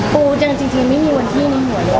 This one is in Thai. ปูยังจริงไม่มีวันที่ในหัวเลย